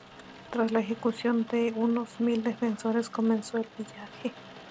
Tras la ejecución de unos mil defensores comenzó el pillaje.